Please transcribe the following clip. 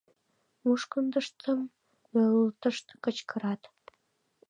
Мушкындыштым нӧлтышт кычкырат: